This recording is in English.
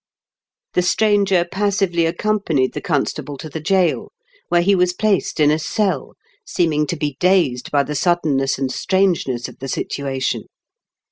The stranger passively accompanied the constable to the gaol, where he was placed in a cell, seeming to be dazed by the suddenness and strangeness of the situation.